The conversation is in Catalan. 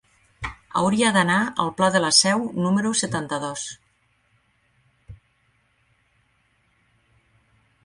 Hauria d'anar al pla de la Seu número setanta-dos.